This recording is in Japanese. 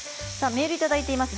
メールをいただいています。